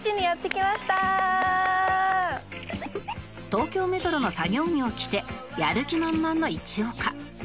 東京メトロの作業着を着てやる気満々の一岡